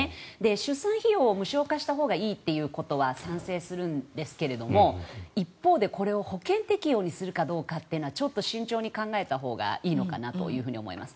出産費用を無償化したほうがいいということは賛成するんですけども一方でこれを保険適用にするかどうかというのはちょっと慎重に考えたほうがいいのかなと思います。